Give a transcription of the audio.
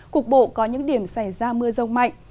cục bộ có những điểm xảy ra mưa rông mạnh